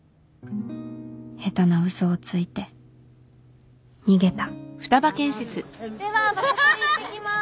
下手な嘘をついて逃げたでは場所取り行ってきます。